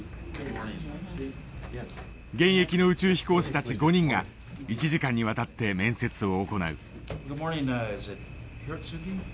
現役の宇宙飛行士たち５人が１時間にわたって面接を行う。